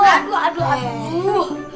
aduh aduh aduh